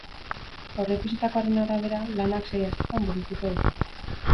Aurreikusitakoaren arabera, lanak sei astetan burutuko dituzte.